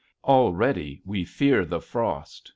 Already we fear the frost.